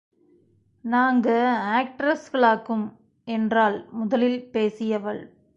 நாங்க ஆக்ட்ரஸ்களாக்கும்! என்றாள் முதலில் பேசியவள்.